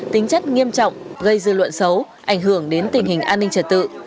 tính chất nghiêm trọng gây dư luận xấu ảnh hưởng đến tình hình an ninh trật tự